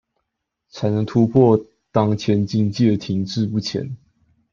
才能突破當前經濟的停滯不前